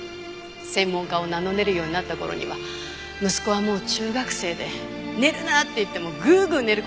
専門家を名乗れるようになった頃には息子はもう中学生で「寝るな！」って言ってもグーグー寝る